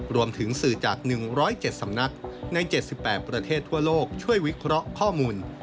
รวมถึงสื่อจาก๑๐๗สำนักใน๗๘ประเทศทั่วโลกช่วยวิเคราะห์ข้อมูล